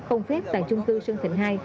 không phép tại trung cư sơn thịnh hai